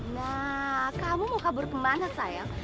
nah kamu mau kabur kemana saya